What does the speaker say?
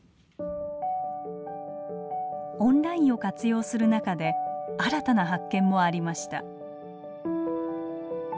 オンラインを活用する中で新たな発見もありました。